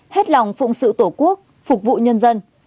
hết lòng phụng sự tổ quốc phục vụ nhân dân